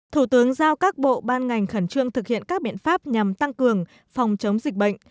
thủ tướng giao các bộ ban ngành khẩn trương thực hiện các biện pháp nhằm tăng cường phòng chống dịch bệnh